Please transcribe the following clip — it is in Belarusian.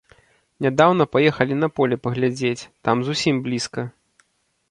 Нядаўна паехалі на поле паглядзець, там зусім блізка.